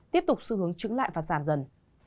tiếp tục xu hướng chứng lại và giảm dần